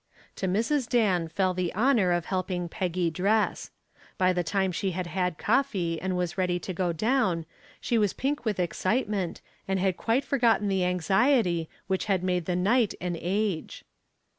To Mrs. Dan fell the honor of helping Peggy dress. By the time she had had coffee and was ready to go down, she was pink with excitement and had quite forgotten the anxiety which had made the night an age.